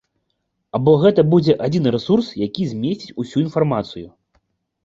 Або гэта будзе адзіны рэсурс, які змесціць усю інфармацыю.